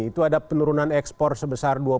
itu ada penurunan ekspor sebesar